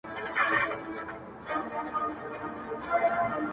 پوره اته دانې سمعان ويلي كړل”